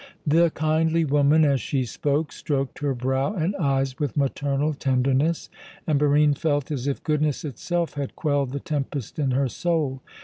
The kindly woman, as she spoke, stroked her brow and eyes with maternal tenderness, and Barine felt as if goodness itself had quelled the tempest in her soul.